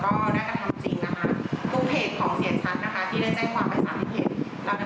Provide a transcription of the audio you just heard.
ตำรวจก็ได้มีตั๊กคงไม้อยู่ในช่วงที่ออกหมายมาแล้วค่ะ